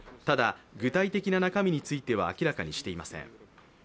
ただ、具体的な中身については明らかにしていません。